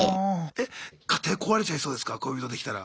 え家庭壊れちゃいそうですか恋人できたら。